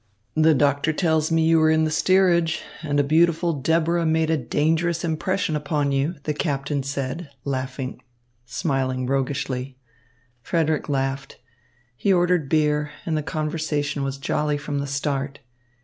"The doctor tells me you were in the steerage, and a beautiful Deborah made a dangerous impression upon you," the captain said, smiling roguishly. Frederick laughed. He ordered beer, and the conversation was jolly from the start.